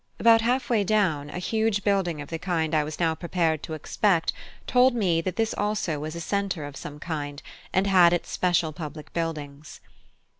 About halfway down, a huge building of the kind I was now prepared to expect told me that this also was a centre of some kind, and had its special public buildings.